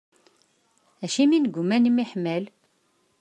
Acimi neggumma ad nemyeḥmal?